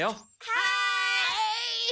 はい。